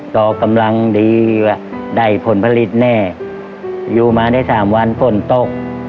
ก็กำลังดีว่าได้ผลผลิตแน่อยู่มาได้สามวันฝนตก